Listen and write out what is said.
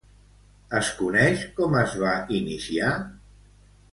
Es coneix com es va iniciar?